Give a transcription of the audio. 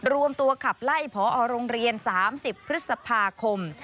รวมตัวขับไล่พอโรงเรียน๓๐พฤษภาคม